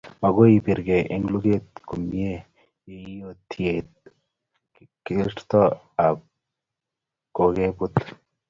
Makoi ibirkei eng lukeet komye yeoitinye kertoet ab kokebut